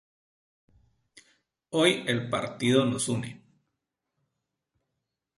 Hoy el Partido nos une.